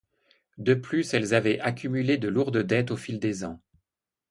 De plus elles avaient accumulé de lourdes dettes au fil des ans.